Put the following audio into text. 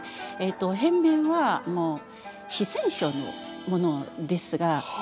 変面はもう四川省のものですが。